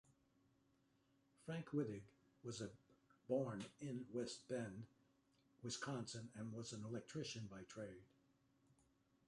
Frank Weddig was born in West Bend, Wisconsin and was an electrician by trade.